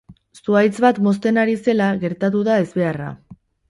Zuhaitz bat mozten ari zela gertatu da ezbeharra.